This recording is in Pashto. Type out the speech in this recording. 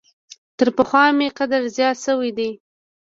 تر پخوا مي قدر زیات شوی دی .